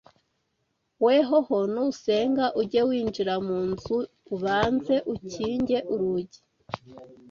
Wehoho nusenga ujye winjira mu nzu ubanze ukinge urugi